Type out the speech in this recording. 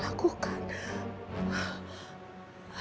ya allah apa yang lu sangkulah